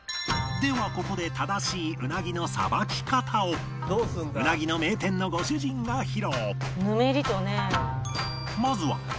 ではここで正しいウナギのさばき方をウナギの名店のご主人が披露「ぬめりとね」